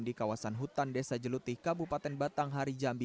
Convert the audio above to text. di kawasan hutan desa jelutih kabupaten batang hari jambi